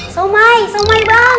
saumai saumai bang